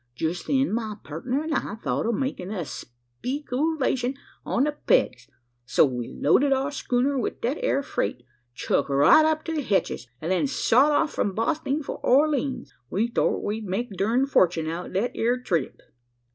Jest then, my pertner an' I thought o' makin' a spekoolashun on the pegs; so we loaded our schooner wi' thet eer freight, chuck right up to the hetches; an' then sot off from Bosting for Orleens. We thort we'd make our derned fortune out thet eer trip."